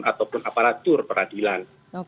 ataupun aparatur peradilan